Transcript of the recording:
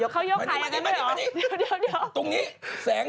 เขาเต้นแห้งนี้อะไรสักอย่าง